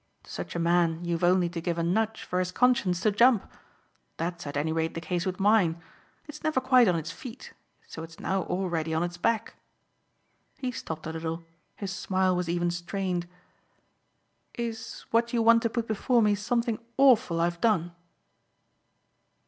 To such a man you've only to give a nudge for his conscience to jump. That's at any rate the case with mine. It's never quite on its feet so it's now already on its back." He stopped a little his smile was even strained. "Is what you want to put before me something awful I've done?"